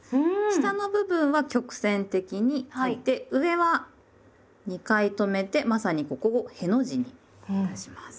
下の部分は曲線的に書いて上は２回止めてまさにここを「への字」にいたします。